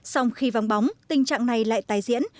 xong khi vắng bóng tình trạng này lại tái diễn